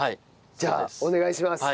じゃあお願いします。